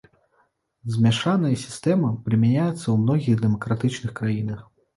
Змяшаная сістэма прымяняецца ў многіх дэмакратычных краінах.